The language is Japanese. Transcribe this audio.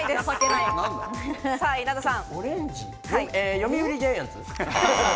読売ジャイアンツ。